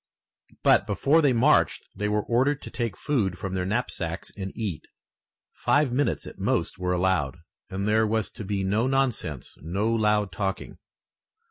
But before they marched they were ordered to take food from their knapsacks and eat. Five minutes at most were allowed, and there was to be no nonsense, no loud talking.